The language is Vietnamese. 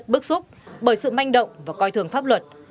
bởi sự manh động và coi thường pháp luật